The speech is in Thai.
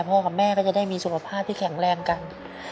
กับแม่ก็จะได้มีสุขภาพที่แข็งแรงกัน